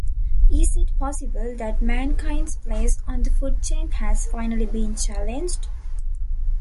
Is it possible that mankind's place on the food chain has finally been challenged?